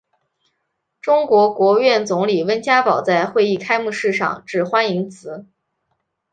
中国国务院总理温家宝在会议开幕式上致欢迎辞。